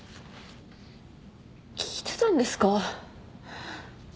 聞いてたんですか？